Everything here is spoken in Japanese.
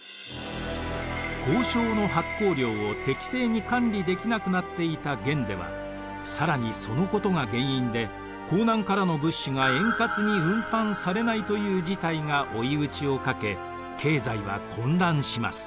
交鈔の発行量を適正に管理できなくなっていた元では更にそのことが原因で江南からの物資が円滑に運搬されないという事態が追い打ちをかけ経済は混乱します。